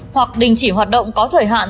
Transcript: hoặc đình chỉ hoạt động có thời hạn